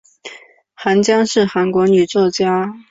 韩江是韩国女作家。